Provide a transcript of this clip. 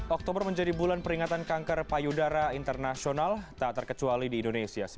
oktober menjadi bulan peringatan kanker payudara internasional tak terkecuali di indonesia